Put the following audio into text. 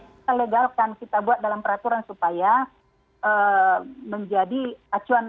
kita legalkan kita buat dalam peraturan supaya menjadi acuan